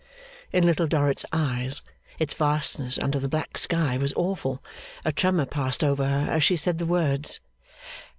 In Little Dorrit's eyes, its vastness under the black sky was awful; a tremor passed over her as she said the words.